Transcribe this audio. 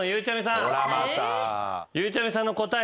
ゆうちゃみさんの答え